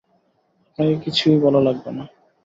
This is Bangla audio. আপনাকে কিছুই বলা লাগবে না।